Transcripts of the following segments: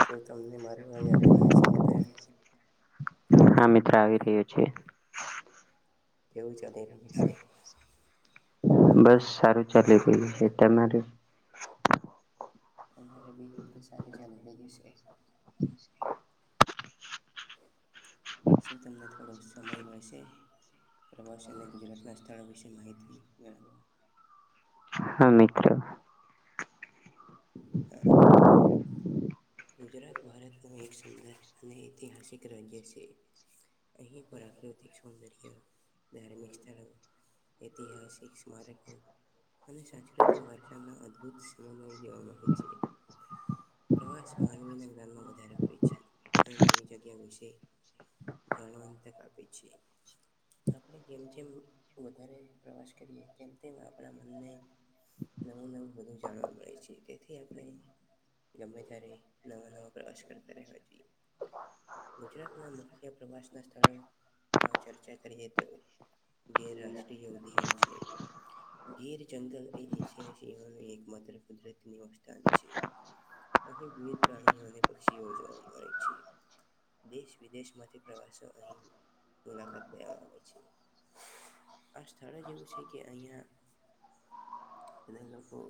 શ તમને મારો અવાજ આવી રહ્યા છે મિત્ર? હા મિત્ર આવી રહ્યો છે. તેવું ચલે રહ્યું છે? બસ સારું ચાલી ગય છે તમારું? અમારે બી એમ તો સારી ચાલી રઈ છે. [inaudible] શું તમને થોડો સમય મળશે? પ્રવાસ અને ગુજરાતના સ્થળ વિશે માહિતી મેળવા. હા મકું. હ [unintelligible] ગુજરાત ભારતનું એક સુંદર અને ઐતિહાસિક રાજ્ય છે. અહીં પ્રાકૃતિક સૌંદર્ય, ધાર્મિક સ્થળો ઐતિહાસિક સ્મારકો અને સાંસ્કૃતિક વારસાના અદ્ભુત સ્મર થી અન હોય છે. પ્રવાસ માનવીના જ્ઞાનમાં વધારો કરે છે અને નવી જગ્યા વિશે જાણવાની તક આપે છે. આપણે જેમ જેમ વધારે પ્રવાસ કરીએ તેમ તેમ આપણા મનને નવું-નવું વધું જાણવા મળે છે. તેથી આપણે ગમે ત્યારે નવાં નવાં પ્રવાસ કરતા રહેવા જોઈએ. ગુજરાતના મુખ્ય પ્રવાસના સ્થળોમાં ચર્ચા કરીએ તો ગીર રાષ્ટ્રીય ઉધયાન છે. ગીર જંગલ એ એશિયાઈ સિહોનું એક માત્ર કુદરતી નિવાસ સ્થાન છે. અહીં વિવિધ પ્રાણીઓ અને પક્ષીઓ જોવા મળે છે. દેશ વિદેશમાંથી પ્રવાસીઓ અહીં મુલાકાત લેવા આવે છે. આ સ્થળ જ એવું છે કે અહીયાં બધા લોકો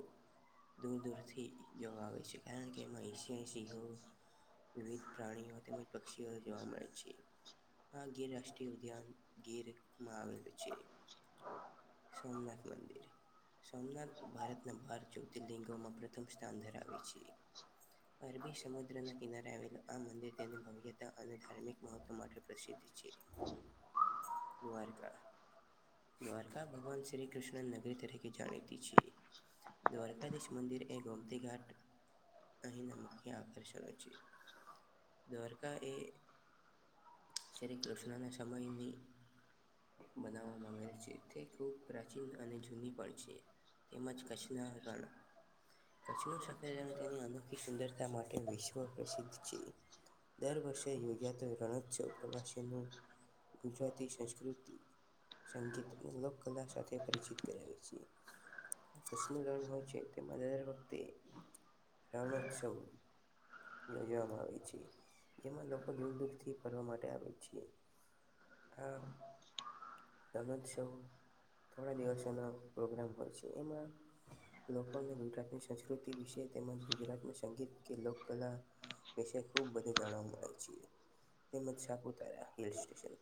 દૂર દૂરથી જોવા આવેે છે કારણ કે એમાં એશિયાઈ સિહો વિવિધ પ્રાણીઓ તેમજ પક્ષીઓ જોવા મળે છે. આ ગીર રાષ્ટ્રીય ઉદ્યાન ગીરમાં આવેલું છે. સોમનાથ મંદિર, સોમનાથ ભારતના બાર જયો તી ર્લિંગોમાં પ્રથમ સ્થાન ધરાવે છે. અરબી સમુદ્રના કિનારે આવેલું આ મંદિર તેની ભવ્યતા અને ધાર્મિક મહત્ત્વ માટે પ્રસિદ્ધ છે. હ દ્વારકા દ્વારકા ભગવાન શ્રી કૃષ્ણ નગરી તરીકે જાણીતી છે. દ્વારકાધીશ મંદિર એ ગોમતી ઘાટ અહીંના મુખ્ય આકર્ષણો છે. દ્વારકા એ શ્રી કૃષ્ણના સમયની બનાવવામાં આવેલ છે તે ખૂબ પ્રાચીન અને જૂની પણ છે તેમજ ક નગાડા કચ્છનું સફેજ રણ તેની અનોખી સુંદરતા માટે વિશ્વ પ્રસિદ્ધ છે. દર વર્ષે યોજાતો રણોત્સવ પ્રવાસીનું ગુજરાતી સંસ્કૃતિ, સંગીત અને લોકકલા સાથે પરિચીત કરાવે છે. કચ્છનું રણ હોય છે તેમાં દર વખતે રણોત્સવ યોજવામાં આવે છે જેમાં લોકો દૂર દૂરથી ફરવા માટે આવે છે. હા. રણોત્સવ થોડા દિવસોના પ્રોગ્રામ હોય છે એમાં લોકોને ગુજરાતની સંસ્કૃતિ વિશે તેમજ ગુજરાતનું સંગીત કે લોકકલા વિશે ખુબ બધું જાણવા મળે છે તેમજ સાપુતારા હિલસ્ટેશન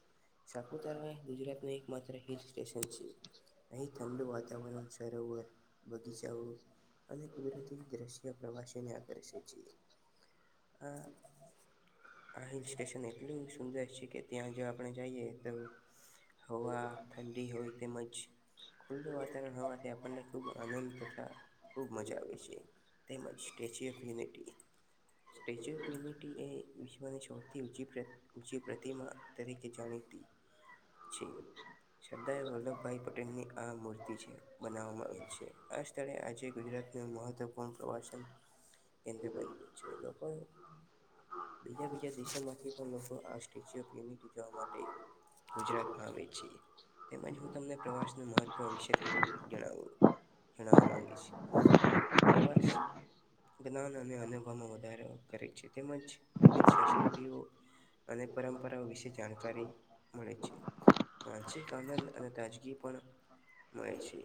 સાપુતારા એ ગુજરાતનું એક માત્ર હિલ સ્ટેશન છે. અહીં ઠંડું વાતાવરણ સરોવર બગીચાઓ અને કુદરતી દ્રશ્ય પ્રવાસીઓને આકર્ષે છે. આ આ હિલ સ્ટેશન એટલું સુંદર છે કે ત્યાં જો આપણે જાઈએ તો હવા ઠંડી હોય તેમજ ખુલ્લું વાતાવરણ હોવાથી આપણને ખૂબ આનંદ તથા ખૂબ મજા આવે છે તેમજ statue of unity statue of unity એ વિશ્વની સૌથી ઊંચી પ્ર ઊંચી પ્રતિમા તરીકે જાણીતી છે. સરદાર વલ્લભભાઈ પટેલની આ મૂર્તિ છે બનાવવામાં આવે છે આ સ્થળે આજે ગુજરાતના મહત્વપૂર્ણ પ્રવાસન કેન્દ્ર બની ગયું છે લોકો બીજા બીજા દેશોમાંથી પણ લોકો આ સ્ટેચ્યુ ઓફ યુનિટી જોવા માટે ગુજરાતમાં આવે છે તેમજ હું તમને પ્રવાસ નું મહત્વ વિશે થોડું જણાવું જડાવા મામાંગે છે પ્રવાસ જ્ઞાન અને અનુભવમાં વધારો કરે છે તેમજ વિવિધ સંસ્કૃતિઓ અને પરંપરાઓ વિશે જાણકારી મળે છે માનસિક આનંદ અને તાજગી પણ મળે છે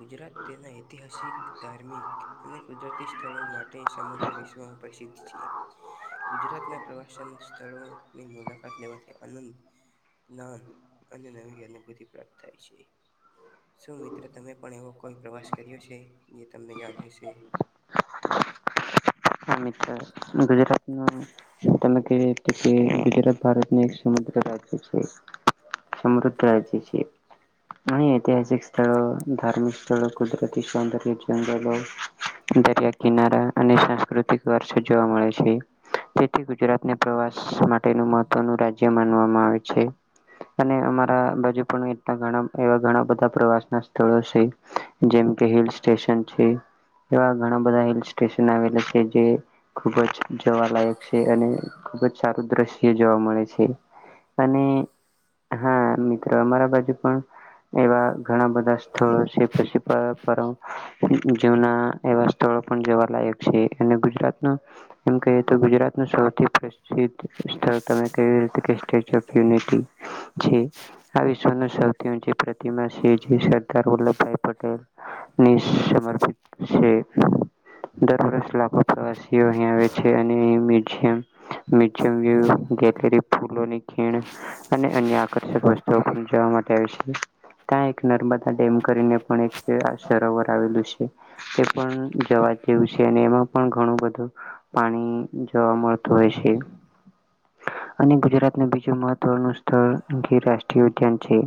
ગુજરાત તેના ઐતિહાસિક ધાર્મિક અને કુદરતી સ્થળો માટે માટેણે સમગ્ર વિશ્વમાં પ્રસિદ્ધ છેએ ગુજરાતના પ્રવાસન સ્થળોની મુલાકાત લેવાથી આનંદ જ્ઞાન અને નવી અનુભૂતિ પ્રાપ્ત થાય છે શું મિત્ર તમે પણ એવો કોઈ પ્રવાસ કર્યો છે જે તમને યાદ હશે મિત્ર ગુજરાત ન ત કે એ કે ગુજરાત ભારતનું એક સમુદ્ર રાજ્ય છે સમૃદ્ધ થ છે અ ઐતિહાસિક સ્થળો ધાર્મિક સ્થળો કુદરતી સૌંદર્ય જંગલો દરિયા કિનારા અને સાંસ્કૃતિક વારસો જોવા મળે છે. તેથી ગુજરાતને પ્રવાસ માટેનું મહત્વનું રાજ્ય માનવામાં આવે છે. અને અમારા બાજુ પણ એ ઘણા એવા ઘણા બધા પ્રવાસ ના સ્થળો છે. જેમ કે હિલ સ્ટેશન છે એવા ઘણા બધા હિલ સ્ટેશન આવેલા છે જે- ખુબ જ જોવાલાયક છે અને ખુબ જ સારું દ્રશ્ય જોવા મળે છે. અને હા મિત્રો અમારા બાજુ પણ એવા ઘણા બધા સ્થળો છે પછી જના એવા સ્થળો પણ જવા લયક છે અને ગુજરાત ના એમ કહીએ તો ગુજરાતનું સૌથી પ્રસિદ્ધ સ્થળ તમે ક કે સ્ટેચ્યુ ઓફ યુનિટી આ વિશ્વ સૌથી ચી પ્રતિમા સરદાર વલ્લભભાઈ પટેલ સમર્પિત છે દર વર્ષ લાખો પ્રવાસી. અહીં આવે છે અને મ્યુઝિયમ. મ્યયમ ગરી ફૂલોની ખીણ અને અન્ય આકર્ષક વસ્તુઓ જવા માટે આવે છે. ત્યાં એક નર્મદા ડેમ કરીને પણ એક સરોવર આવેલું છે. એ પણ જવા જેવું છે અને એમાં પણ ઘણું બધું પાણી જવા મળત હોય છે અને ગુજરાત ન બીજું મહત્વનું સ્થળ રાષ્ટ્રીય ઉદ્યાન છે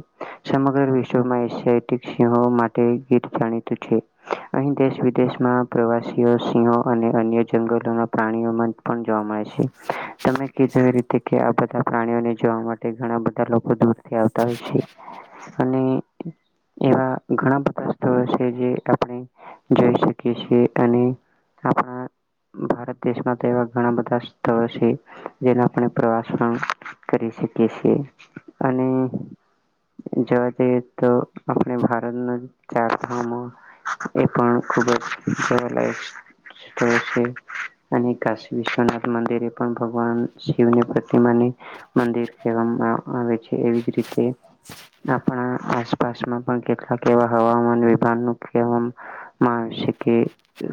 સમગ્ર વિશ્વમાં એ સિંહો માટે ગીત જાણીતું છે અહી દેશ વિદેશમાં પ્રવાસીઓ સિંહો અને અન્ય જંગલોના પ્રાણીઓમાં પણ જોવા મળે છે. તમે કધો એ રીતે કે આ બધા પ્રાણીઓને જોવા માટે ઘણા બધા લોકો દૂરથી આવતા હોય છે. અને એવા ઘણા બધા સ્થળ છે જે આપણે જોઈ શકી છીએ અને તાપ ભારત દેશમાં તો એવા ઘણા બધા સ્થળો છે જેનાણે પ્રવાસ પણ કરી શકીએ છીએ અને જોવા જઈએ તો આપણે ભારત ન ચાર ધામો એ પણ ખુબ જ છે અને કાશી વિશ્વનાથ મંદિરે પણ ભગવાન શિવની પ્રતિમાને મંદિર કહેવામાં આવે છે એવી જ રીતે આપણા પણ કેટલાક એવા હવામાન વિભાગ મા શી કે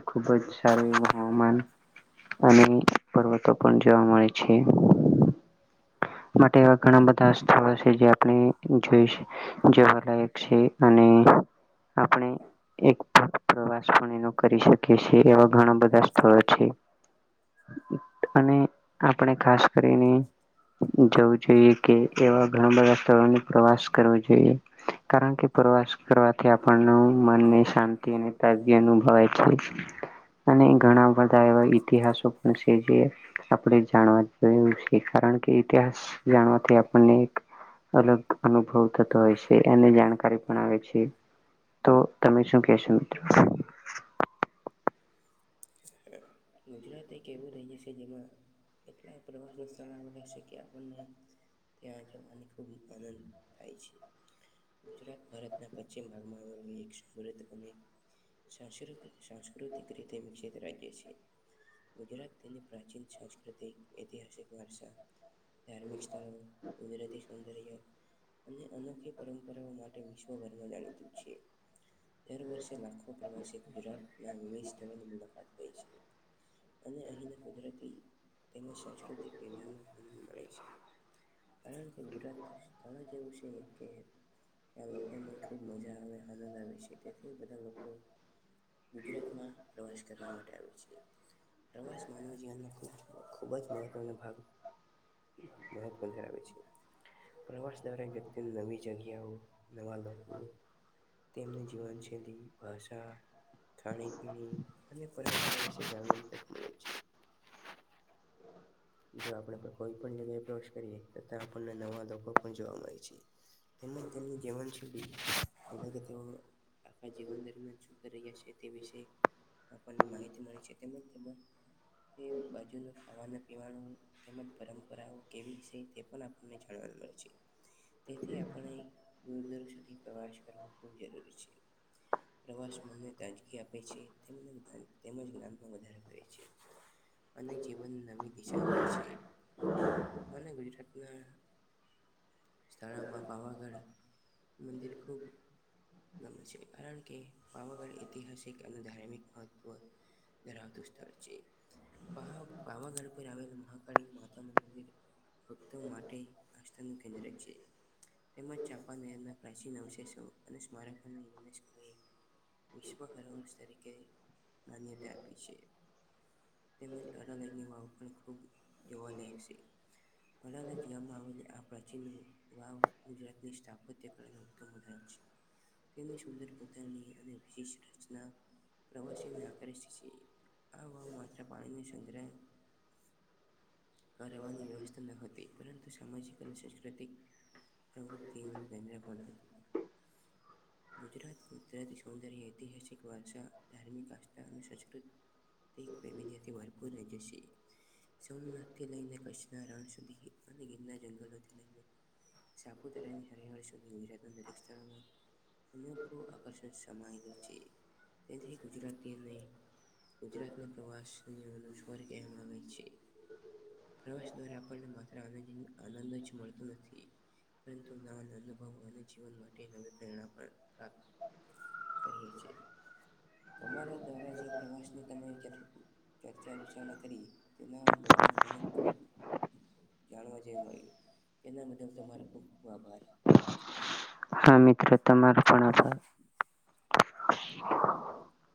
ખુબ જ સાર હવામાન અને પર્વતો પણ જોવા મળે છે માટે એવા ઘણા બધા સ્થળો છે જે આપણે જોઈશ જવાલાયક છે અને આપણે એકસ કરી શકે છેીએ એવા ઘણા બધા સ્થળો છે. અને આપણે ખાસ કરીને જવું જોઈએ કે એવા ઘણા બધા સ્થળો પ્રવાસ કરવો જોઈએ કારણ કે પ્રવાસ કરવાથી આપ મનને શાંતિ અને તાગી અનુભવાય અને ઘણા બધા એવા ઈતિહાસો પણ જે આપણે જાણવા જોું છે કારણ કે ઇતિહાસ જાણવાથી આપણને એક અલગ અનુભવ થતો હોય છે એની જાણકારી પણ આવે છે. તો તમે શું કેશો મિત્રો? ગુજરાત એક એવું રાજ્ય છે જેમાં એટલા પ્રવાસ ન સ્થળ આવે લાગ છે કે આપણને ત્યાં જવાની ખૂબ આનંદ થાય છે ગુજરાત ભારતના પશ્ચિમ ભાગમાં આવેલી એક સમ અને સાૃ સાંસ્કૃતિક રીતે વિકસિત રાજ્ય છે ગુજરાત તેની પ્રાચીન સાંસ્કૃતિક ઐતિહાસિક વારસા ધાર્મિક સ્થળ ગુજરાતી સૌંદર્ય અને અનોખી પરંપરાઓ માટે વિશ્વભરમાં જાણીતું છે દર વર્ષે લાખો પ્રવાસી ગુજરાતના વિવિધ સ્થળોની મુલાકાત લઈ છે અને અહીંને કુદરતી તેમજ સાંસ્કૃતિક વિભાવનો આનંદ મળે છે કારણ કે ગુજરાત સ્થળ જેવું છે કે ત્યાં લોકોને ખૂબ મજા આવે આનંદ આવે છે તેથી બધા લોકો ગુજરાતમાં પ્રવાસ કરવા માટે પ્રવા માન જવન ખુબ જ મહત્વનો ભાગ મહત્વ ધરાબે છે પ્રવાસ દ્વારા વ્યક્તિને નવી જગ્યાઓ નવા લોકો તેમની જીવનશૈલી ભાષા ખાણીપીણી જ જો આપણે કોઈ પણ જગ્યાએ પ્રવેશ કરીએ તથા આપણને નવા લોકો પણ જોવા મળે છે તેમજ તેમની જીવન શૈલી એટ કે તેઓ આખા જીવન દરમિયાન શું કરી રહ્યા છે તે વિશે આપણને માહિતી મળી છે તેમ તે બાજુ ખવા પીવા તેમજ પરંપરાઓ કેવી છે તે પણ આપણને જાણવા મળે છે તેથી આપણે ગુરદર્ સુધી પ્રવાસ કરવો ખૂબ જરૂરી છે પ્રવાસ મનને તાજગી આપે છે તેમને જ તેમજ જ્ઞાનમાં વધારો કરે છે અને જીવન નવી છે મને ગુજરાત ના સ્થળામાં પાવાગઢ મંદિર ખૂબ ગમે છે કારણ કે પાવાગઢ ઐતિહાસિક અને ધાર્મિક મહત્વ ધરાત ઉસ્તવ છે પાવાગઢ આવેલું મહાકાળી માતા ન મંદિર ભક્તો માટે આસ્થાનુંું કેન્દ્ર છે તેમજ જાપાાન પ્રાચીન અવશેષો અને સ્મારકના યુનેસ્કો એ વિશ્વ હરોળસ તરીકે માન્યતા આપી છે તેમજ અનાલકની વાવ પણ ખૂબ જોવાલાાયક છે વડાના જ ગામમાં આવેલી આ પ્રાચીન વાવ ગુજરાતની સ્ટાફતે વિ રચના પ્રવાસીઓને આકર્ષિત છે આ વા માત્ર પાણીની સંગ્રહ કરવાની વ્યવસ્થા ન હતી પરંતુ સામાજિક અને સાંસ્કૃતિક પ્રવૃતિઓને ધને્ર પણ છે ગુજરાત ગુદરાતી સૌંદર્ય ઐતિહાસિક વારષા ધાર્મિક આસ્થા અને સંસ્કૃત વવિધ્યથી ભરપૂર ર જશે સોમનાથથી લઈને કચ્છના રણ સુધી અને ગીરના જંગલોથી લઈને સાપુતારાની હરિહળ સુધી ગુજરા રે સ્થળમાં અ આકર્ષણ સમમાય રહ છે તે્યાથી ગુજરાતીને ગુજરાતને પ્રવાસની અનુ સ્વાર કહેવામાં આવે છે પ્રવાસ દ્વારા આપણને માત્ર આનંદ જ મળતો નથી પરંતુ નાવાના અનુભવો અને જીવન માટે નવી પ્રેરણા પણ પ્રાપ્ત કહે છે તમારા દ્વારા જે પ્રવાસની તમે ચર્ચા વિચારણા કરી તેના દ્વારા મને જાણવા જે મળ્યું તેના બદલ તમારો ખૂબ ખૂબ આભાર હા મિત્રો તમારા પણ આપ. હમ.